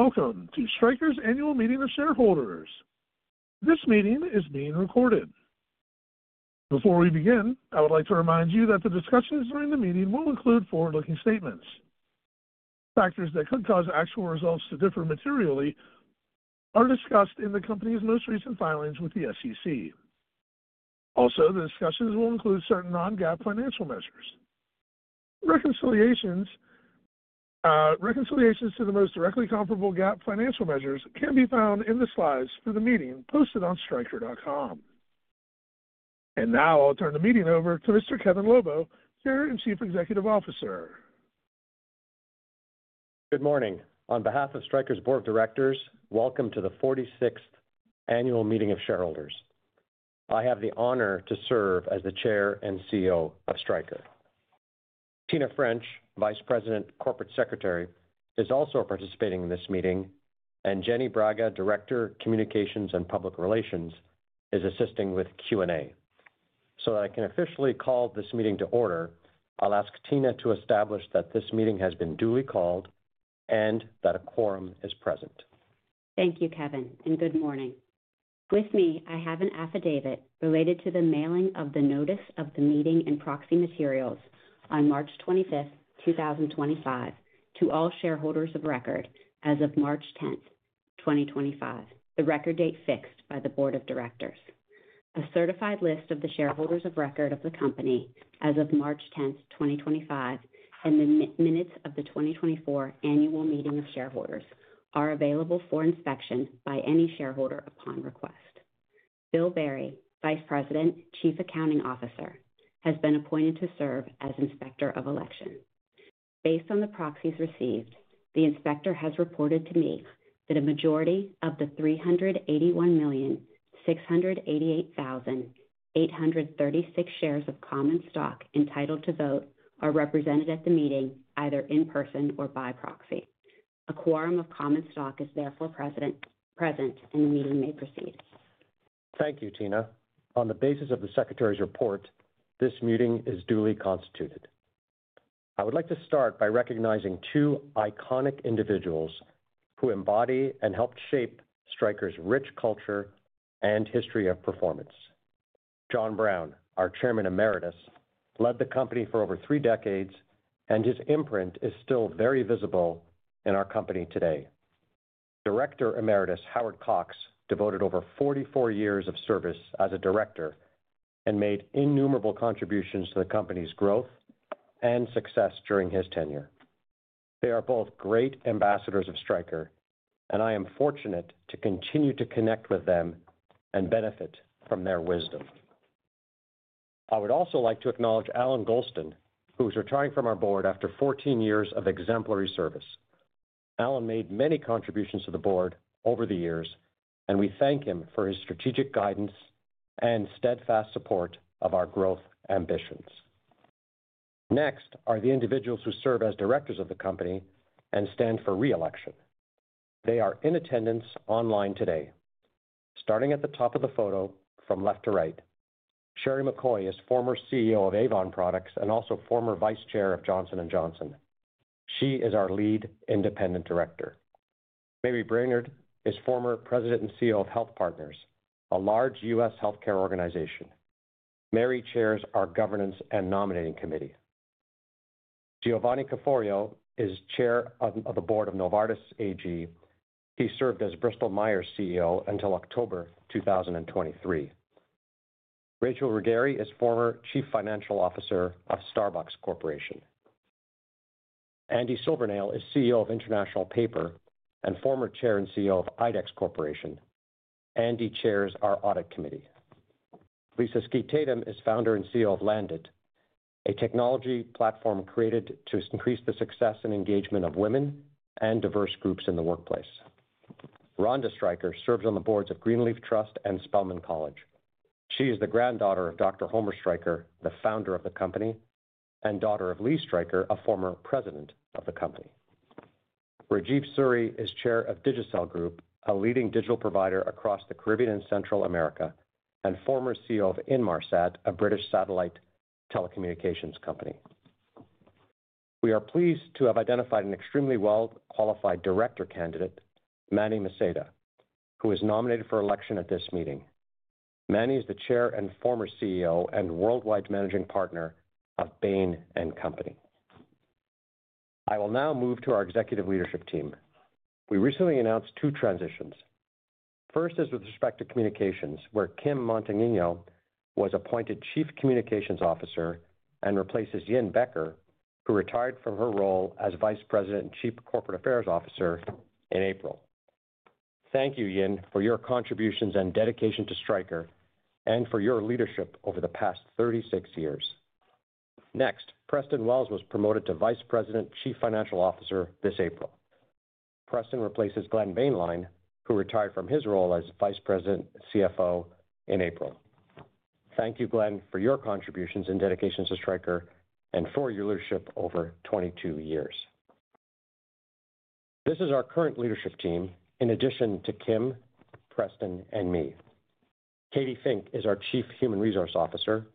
Welcome to Stryker's Annual Meeting of Shareholders. This meeting is being recorded. Before we begin, I would like to remind you that the discussions during the meeting will include forward-looking statements. Factors that could cause actual results to differ materially are discussed in the company's most recent filings with the SEC. Also, the discussions will include certain non-GAAP financial measures. Reconciliations to the most directly comparable GAAP financial measures can be found in the slides for the meeting posted on stryker.com. And now I'll turn the meeting over to Mr. Kevin Lobo, Chair and Chief Executive Officer. Good morning. On behalf of Stryker's Board of Directors, welcome to the 46th Annual Meeting of Shareholders. I have the honor to serve as the Chair and CEO of Stryker. Tina French, Vice President, Corporate Secretary, is also participating in this meeting, and Jenny Braga, Director, Communications and Public Relations, is assisting with Q&A. So that I can officially call this meeting to order, I'll ask Tina to establish that this meeting has been duly called and that a quorum is present. Thank you, Kevin, and good morning. With me, I have an affidavit related to the mailing of the Notice of the Meeting and Proxy Materials on March 25th, 2025, to all shareholders of record as of March 10th, 2025, the record date fixed by the Board of Directors. A certified list of the shareholders of record of the company as of March 10th, 2025, and the minutes of the 2024 Annual Meeting of Shareholders are available for inspection by any shareholder upon request. Bill Berry, Vice President, Chief Accounting Officer, has been appointed to serve as Inspector of Election. Based on the proxies received, the Inspector has reported to me that a majority of the 381,688,836 shares of Common Stock entitled to vote are represented at the meeting either in person or by proxy. A quorum of Common Stock is therefore present, and the meeting may proceed. Thank you, Tina. On the basis of the Secretary's report, this meeting is duly constituted. I would like to start by recognizing two iconic individuals who embody and helped shape Stryker's rich culture and history of performance. John Brown, our Chairman Emeritus, led the company for over three decades, and his imprint is still very visible in our company today. Director Emeritus Howard Cox devoted over 44 years of service as a Director and made innumerable contributions to the company's growth and success during his tenure. They are both great ambassadors of Stryker, and I am fortunate to continue to connect with them and benefit from their wisdom. I would also like to acknowledge Allan Golston, who is retiring from our board after 14 years of exemplary service. Allan made many contributions to the board over the years, and we thank him for his strategic guidance and steadfast support of our growth ambitions. Next are the individuals who serve as Directors of the company and stand for re-election. They are in attendance online today. Starting at the top of the photo from left to right, Sheri McCoy is former CEO of Avon Products and also former Vice Chair of Johnson & Johnson. She is our Lead Independent Director. Mary Brainerd is former President and CEO of HealthPartners, a large U.S. healthcare organization. Mary chairs our Governance and Nominating Committee. Giovanni Cafforio is Chair of the Board of Novartis AG. He served as Bristol-Myers CEO until October 2023. Rachel Ruggeri is former Chief Financial Officer of Starbucks Corporation. Andy Silvernail is CEO of International Paper and former Chair and CEO of IDEX Corporation. Andy chairs our Audit Committee. Lisa Skeete Tatum is founder and CEO of Landit, a technology platform created to increase the success and engagement of women and diverse groups in the workplace. Rhonda Stryker serves on the boards of Greenleaf Trust and Spelman College. She is the granddaughter of Dr. Homer Stryker, the founder of the company, and daughter of Lee Stryker, a former President of the company. Rajiv Suri is Chair of Digicel Group, a leading digital provider across the Caribbean and Central America, and former CEO of Inmarsat, a British satellite telecommunications company. We are pleased to have identified an extremely well-qualified director candidate, Manny Maceda, who is nominated for election at this meeting. Manny is the Chair and former CEO and worldwide managing partner of Bain & Company. I will now move to our Executive Leadership Team. We recently announced two transitions. First is with respect to communications, where Kim Montagnino was appointed Chief Communications Officer and replaces Yin Becker, who retired from her role as Vice President and Chief Corporate Affairs Officer in April. Thank you, Yin, for your contributions and dedication to Stryker and for your leadership over the past 36 years. Next, Preston Wells was promoted to Vice President, Chief Financial Officer this April. Preston replaces Glenn Boehnlein, who retired from his role as Vice President, CFO in April. Thank you, Glenn, for your contributions and dedication to Stryker and for your leadership over 22 years. This is our current Leadership Team, in addition to Kim, Preston, and me. Katie Fink is our Chief Human Resources Officer.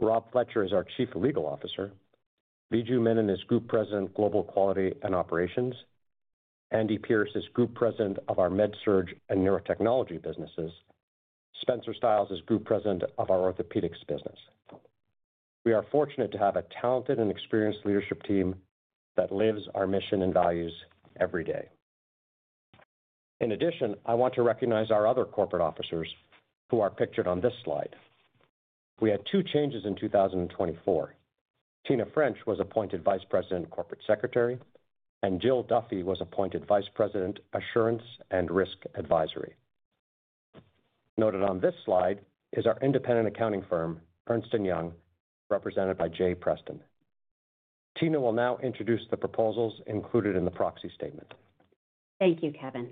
Rob Fletcher is our Chief Legal Officer. Viju Menon is Group President, Global Quality and Operations. Andy Pierce is Group President of our MedSurg and Neurotechnology businesses. Spencer Stiles is Group President of our Orthopaedics business. We are fortunate to have a talented and experienced Leadership Team that lives our mission and values every day. In addition, I want to recognize our other Corporate Officers who are pictured on this slide. We had two changes in 2024. Tina French was appointed Vice President, Corporate Secretary, and Jill Duffy was appointed Vice President, Assurance and Risk Advisory. Noted on this slide is our independent accounting firm, Ernst & Young, represented by Jay Preston. Tina will now introduce the proposals included in the Proxy Statement. Thank you, Kevin.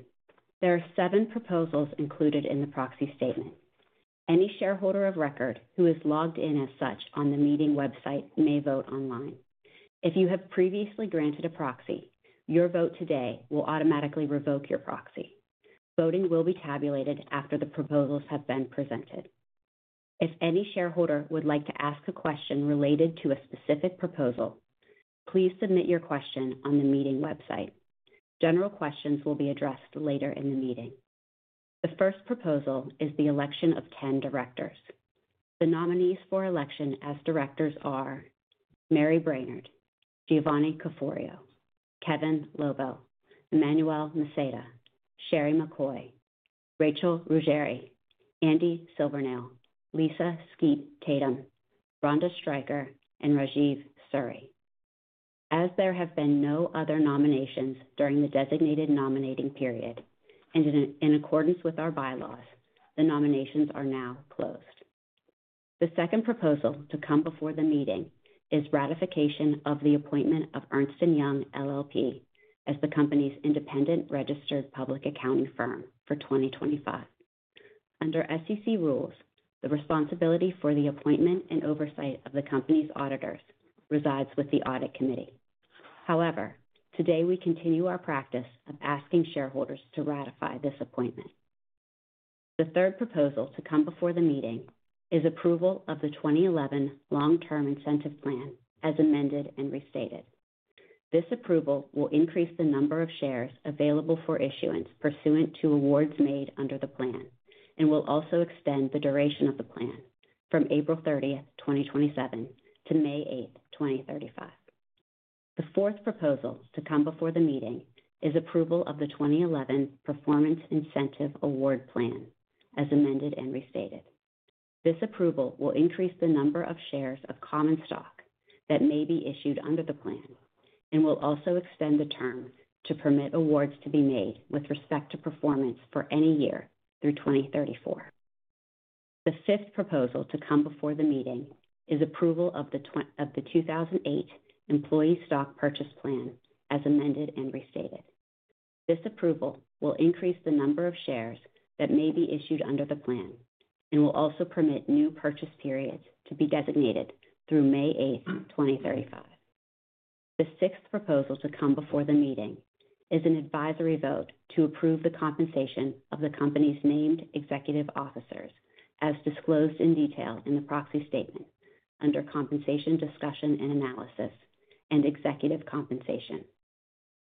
There are seven proposals included in the Proxy Statement. Any shareholder of record who is logged in as such on the meeting website may vote online. If you have previously granted a proxy, your vote today will automatically revoke your proxy. Voting will be tabulated after the proposals have been presented. If any shareholder would like to ask a question related to a specific proposal, please submit your question on the meeting website. General questions will be addressed later in the meeting. The first proposal is the election of 10 Directors. The nominees for election as Directors are Mary Brainerd, Giovanni Cafforio, Kevin Lobo, Emmanuel Maceda, Sheri McCoy, Rachel Ruggeri, Andy Silvernail, Lisa Skeete Tatum, Rhonda Stryker, and Rajiv Suri. As there have been no other nominations during the designated nominating period, and in accordance with our bylaws, the nominations are now closed. The second proposal to come before the meeting is ratification of the appointment of Ernst & Young LLP as the company's independent registered public accounting firm for 2025. Under SEC rules, the responsibility for the appointment and oversight of the company's auditors resides with the Audit Committee. However, today we continue our practice of asking shareholders to ratify this appointment. The third proposal to come before the meeting is approval of the 2011 Long-Term Incentive Plan as amended and restated. This approval will increase the number of shares available for issuance pursuant to awards made under the plan and will also extend the duration of the plan from April 30th, 2027, to May 8th, 2035. The fourth proposal to come before the meeting is approval of the 2011 Performance Incentive Award Plan as amended and restated. This approval will increase the number of shares of common stock that may be issued under the plan and will also extend the term to permit awards to be made with respect to performance for any year through 2034. The fifth proposal to come before the meeting is approval of the 2008 Employee Stock Purchase Plan as amended and restated. This approval will increase the number of shares that may be issued under the plan and will also permit new purchase periods to be designated through May 8, 2035. The sixth proposal to come before the meeting is an advisory vote to approve the compensation of the company's named executive officers, as disclosed in detail in the Proxy Statement under Compensation Discussion and Analysis and Executive Compensation.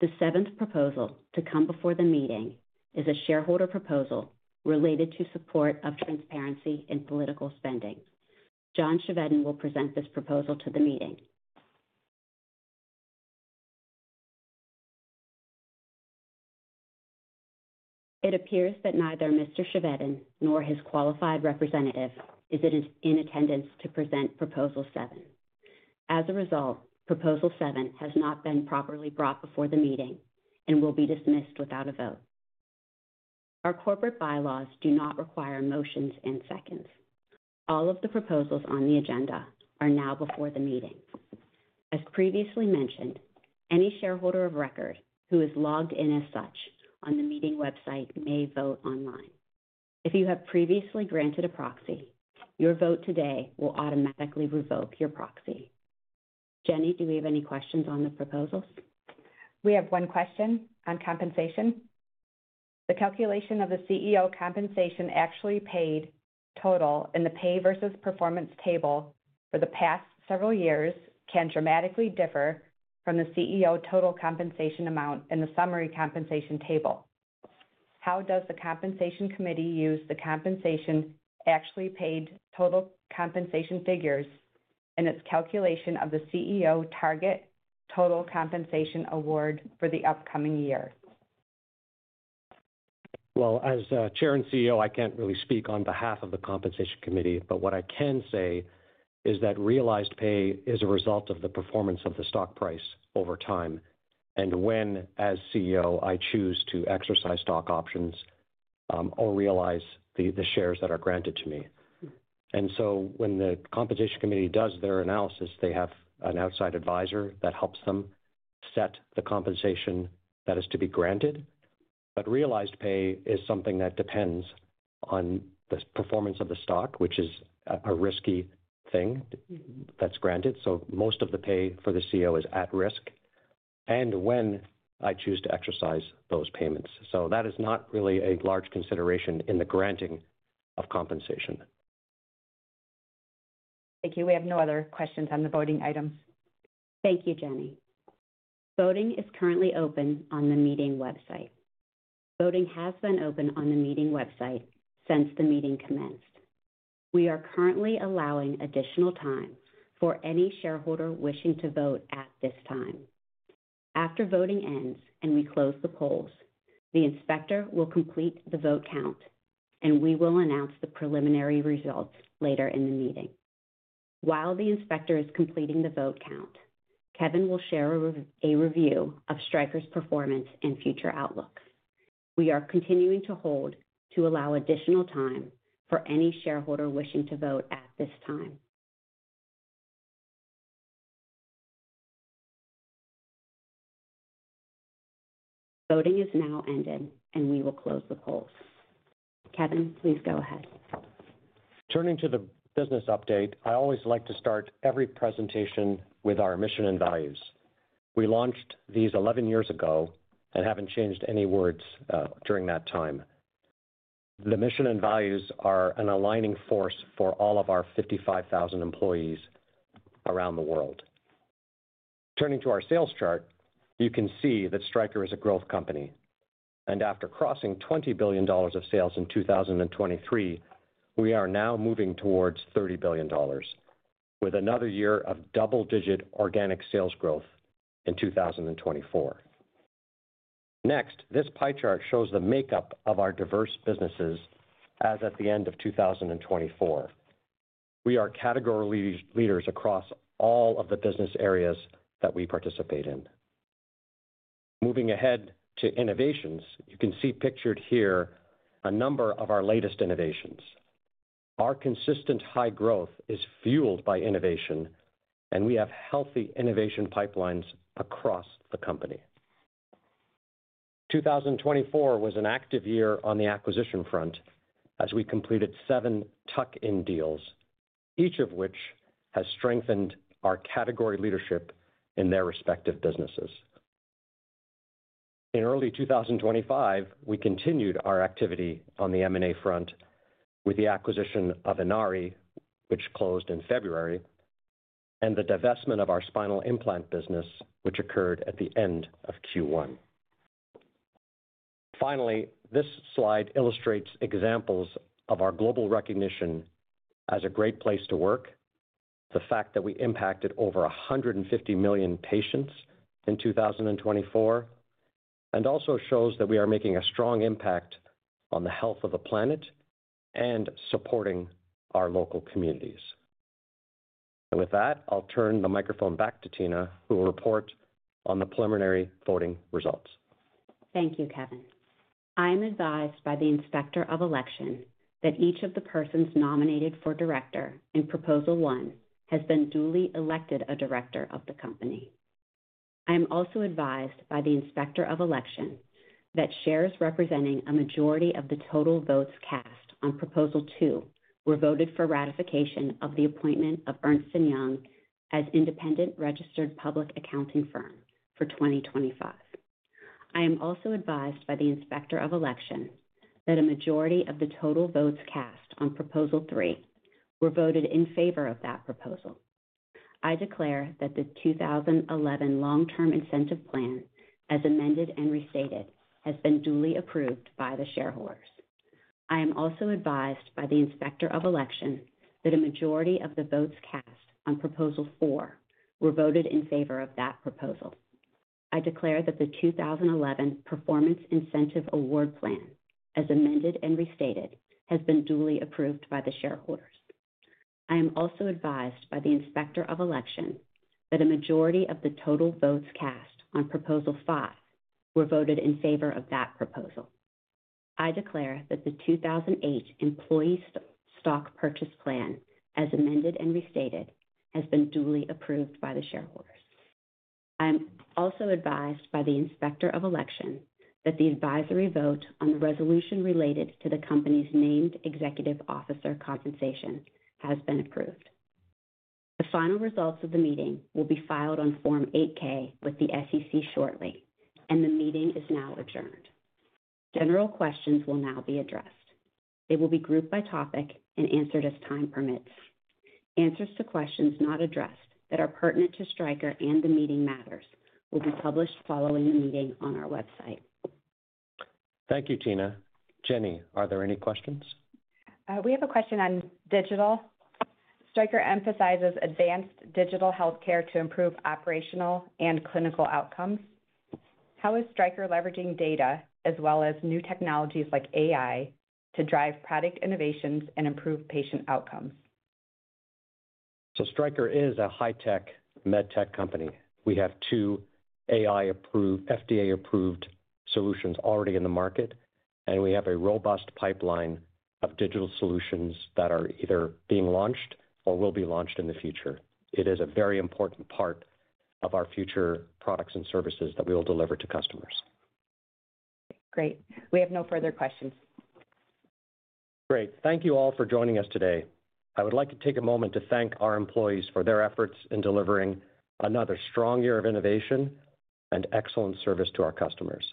The seventh proposal to come before the meeting is a shareholder proposal related to support of transparency in political spending. John Chevedden will present this proposal to the meeting. It appears that neither Mr. Chevedden nor his qualified representative is in attendance to present Proposal 7. As a result, Proposal 7 has not been properly brought before the meeting and will be dismissed without a vote. Our corporate bylaws do not require motions and seconds. All of the proposals on the agenda are now before the meeting. As previously mentioned, any shareholder of record who is logged in as such on the meeting website may vote online. If you have previously granted a proxy, your vote today will automatically revoke your proxy. Jenny, do we have any questions on the proposals? We have one question on compensation. The calculation of the CEO Compensation Actually Paid total in the Pay Versus Performance table for the past several years can dramatically differ from the CEO total compensation amount in the Summary Compensation Table. How does the Compensation Committee use the Compensation Actually Paid total compensation figures in its calculation of the CEO target total compensation award for the upcoming year? As Chair and CEO, I can't really speak on behalf of the Compensation Committee, but what I can say is that realized pay is a result of the performance of the stock price over time, and when, as CEO, I choose to exercise stock options or realize the shares that are granted to me. And so when the Compensation Committee does their analysis, they have an outside advisor that helps them set the compensation that is to be granted. But realized pay is something that depends on the performance of the stock, which is a risky thing that's granted. So most of the pay for the CEO is at risk, and when I choose to exercise those payments. So that is not really a large consideration in the granting of compensation. Thank you. We have no other questions on the voting items. Thank you, Jenny. Voting is currently open on the meeting website. Voting has been open on the meeting website since the meeting commenced. We are currently allowing additional time for any shareholder wishing to vote at this time. After voting ends and we close the polls, the Inspector will complete the vote count, and we will announce the preliminary results later in the meeting. While the Inspector is completing the vote count, Kevin will share a review of Stryker's performance and future outlook. We are continuing to hold to allow additional time for any shareholder wishing to vote at this time. Voting is now ended, and we will close the polls. Kevin, please go ahead. Turning to the business update, I always like to start every presentation with our mission and values. We launched these 11 years ago and haven't changed any words during that time. The mission and values are an aligning force for all of our 55,000 employees around the world. Turning to our sales chart, you can see that Stryker is a growth company. And after crossing $20 billion of sales in 2023, we are now moving towards $30 billion, with another year of double-digit organic sales growth in 2024. Next, this pie chart shows the makeup of our diverse businesses as at the end of 2024. We are category leaders across all of the business areas that we participate in. Moving ahead to innovations, you can see pictured here a number of our latest innovations. Our consistent high growth is fueled by innovation, and we have healthy innovation pipelines across the company. 2024 was an active year on the acquisition front as we completed seven tuck-in deals, each of which has strengthened our category leadership in their respective businesses. In early 2025, we continued our activity on the M&A front with the acquisition of Inari, which closed in February, and the divestment of our spinal implant business, which occurred at the end of Q1. Finally, this slide illustrates examples of our global recognition as a great place to work, the fact that we impacted over 150 million patients in 2024, and also shows that we are making a strong impact on the health of the planet and supporting our local communities, and with that, I'll turn the microphone back to Tina, who will report on the preliminary voting results. Thank you, Kevin. I am advised by the Inspector of Election that each of the persons nominated for Director in Proposal 1 has been duly elected a Director of the company. I am also advised by the Inspector of Election that shares representing a majority of the total votes cast on Proposal 2 were voted for ratification of the appointment of Ernst & Young as independent registered public accounting firm for 2025. I am also advised by the Inspector of Election that a majority of the total votes cast on Proposal 3 were voted in favor of that proposal. I declare that the 2011 Long-Term Incentive Plan, as amended and restated, has been duly approved by the shareholders. I am also advised by the Inspector of Election that a majority of the votes cast on Proposal 4 were voted in favor of that proposal. I declare that the 2011 Performance Incentive Award Plan, as amended and restated, has been duly approved by the shareholders. I am also advised by the Inspector of Election that a majority of the total votes cast on Proposal 5 were voted in favor of that proposal. I declare that the 2008 Employee Stock Purchase Plan, as amended and restated, has been duly approved by the shareholders. I am also advised by the Inspector of Election that the advisory vote on the resolution related to the company's named executive officer compensation has been approved. The final results of the meeting will be filed on Form 8-K with the SEC shortly, and the meeting is now adjourned. General questions will now be addressed. They will be grouped by topic and answered as time permits. Answers to questions not addressed that are pertinent to Stryker and the meeting matters will be published following the meeting on our website. Thank you, Tina. Jenny, are there any questions? We have a question on digital. Stryker emphasizes advanced digital healthcare to improve operational and clinical outcomes. How is Stryker leveraging data as well as new technologies like AI to drive product innovations and improve patient outcomes? Stryker is a high-tech med tech company. We have two AI-approved, FDA-approved solutions already in the market, and we have a robust pipeline of digital solutions that are either being launched or will be launched in the future. It is a very important part of our future products and services that we will deliver to customers. Great. We have no further questions. Great. Thank you all for joining us today. I would like to take a moment to thank our employees for their efforts in delivering another strong year of innovation and excellent service to our customers.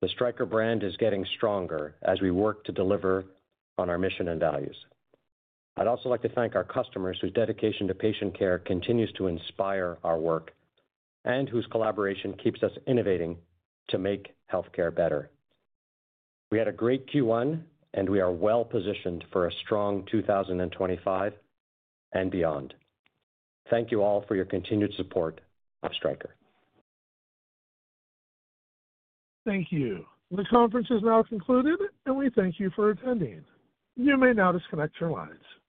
The Stryker brand is getting stronger as we work to deliver on our mission and values. I'd also like to thank our customers whose dedication to patient care continues to inspire our work and whose collaboration keeps us innovating to make healthcare better. We had a great Q1, and we are well positioned for a strong 2025 and beyond. Thank you all for your continued support of Stryker. Thank you. The conference is now concluded, and we thank you for attending. You may now disconnect your lines.